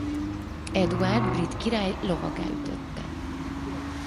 Eduárd brit király lovaggá ütötte.